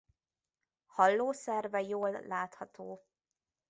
Hallószerve jól látható.